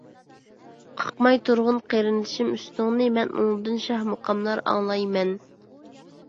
قاقماي تۇرغىن قېرىندىشىم ئۈستۈڭنى، مەن ئۇنىڭدىن شاھ مۇقاملار ئاڭلاي مەن.